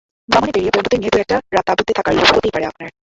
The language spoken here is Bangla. ভ্রমণে বেড়িয়ে বন্ধুদের নিয়ে দু-একটা রাত তাঁবুতে থাকার লোভ হতেই পারে আপনার।